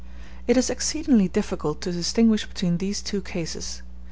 It is exceedingly difficult to distinguish between these two cases.